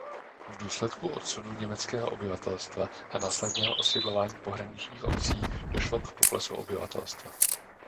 V důsledku odsunu německého obyvatelstva a následného osídlování pohraničních obcí došlo k poklesu obyvatelstva.